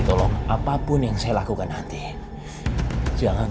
terima kasih telah penonton